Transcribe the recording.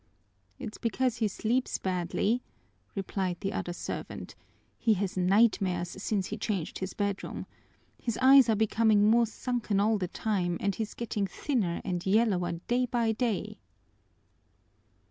"It's because he sleeps badly," replied the other servant. "He has nightmares since he changed his bedroom. His eyes are becoming more sunken all the time and he's getting thinner and yellower day by day."